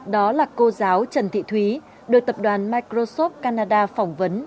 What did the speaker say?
đó là cô giáo trần thị thúy được tập đoàn microsoft canada phỏng vấn